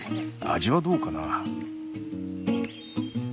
味はどうかな。